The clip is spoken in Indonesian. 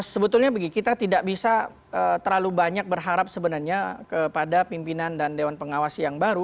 sebetulnya begini kita tidak bisa terlalu banyak berharap sebenarnya kepada pimpinan dan dewan pengawas yang baru